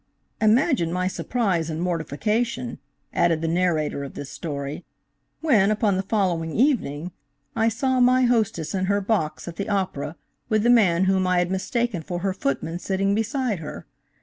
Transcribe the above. "Imagine my surprise and mortification," added the narrator of this story, "when, upon the following evening, I saw my hostess in her box at the opera with the man whom I had mistaken for her footman sitting beside her.